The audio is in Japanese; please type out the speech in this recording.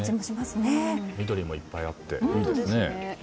緑もいっぱいあっていいですね。